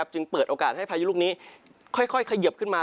จึงเปิดโอกาสให้พายุลูกนี้ค่อยเขยิบขึ้นมา